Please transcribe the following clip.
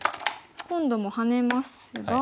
今度もハネますが。